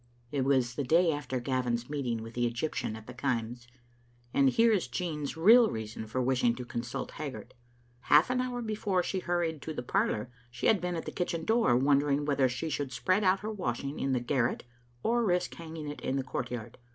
It was the day after Gavin's meeting with the Egyp tian at the Kaims, and here is Jean's real reason for wishing to consult Haggart. Half an hour before she hurried to the parlour she had been at the kitchen door wondering whether she should spread out her washing in the garret or risk hanging it in the courtyard.